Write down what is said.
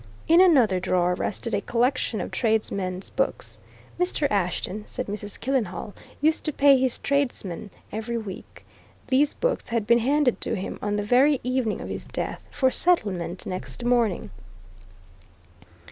In another drawer rested a collection of tradesmen's books Mr. Ashton, said Mrs. Killenhall, used to pay his tradesmen every week; these books had been handed to him on the very evening of his death for settlement next morning.